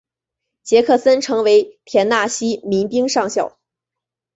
杰克森成为田纳西民兵上校。